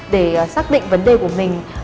để xác định vấn đề của mình